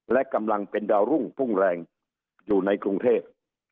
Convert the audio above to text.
และกำลังเป็นดาวรุ่งพุ่งแรงอยู่ในกรุงเทพ